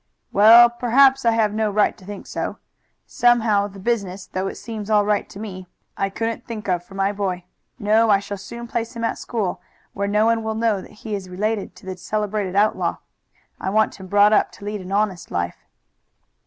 "Well, perhaps I have no right to think so. Somehow the business, though it seems all right to me, I couldn't think of for my boy. No, I shall soon place him at school, where no one will know that he is related to the celebrated outlaw. I want him brought up to lead an honest life."